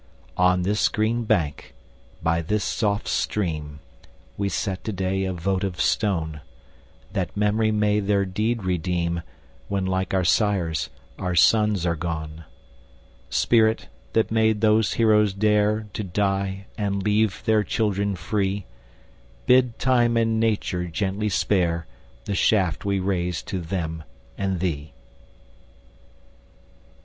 On this green bank, by this soft stream, We set to day a votive stone; That memory may their deed redeem, When, like our sires, our sons are gone. Spirit, that made those heroes dare To die, and leave their children free, Bid Time and Nature gently spare The shaft we raise to them and thee.